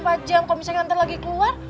kalo misalnya nanti lagi keluar